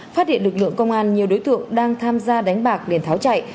phát hiện lực lượng công an nhiều đối tượng đang tham gia đánh bạc để tháo chạy